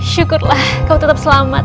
syukurlah kau tetap selamat